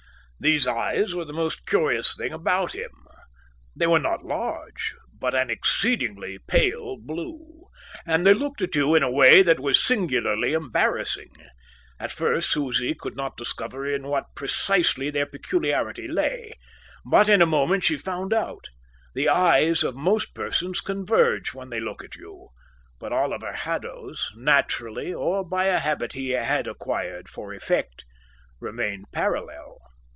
These eyes were the most curious thing about him. They were not large, but an exceedingly pale blue, and they looked at you in a way that was singularly embarrassing. At first Susie could not discover in what precisely their peculiarity lay, but in a moment she found out: the eyes of most persons converge when they look at you, but Oliver Haddo's, naturally or by a habit he had acquired for effect, remained parallel.